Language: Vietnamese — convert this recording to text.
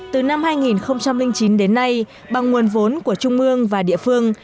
từ năm hai nghìn chín đến nay bằng nguồn vốn của trung ương và địa phương